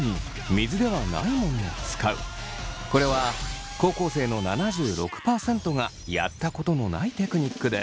これは高校生の７６％がやったことのないテクニックです。